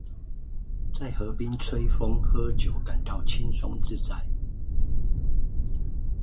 在河濱吹風喝酒感到輕鬆自在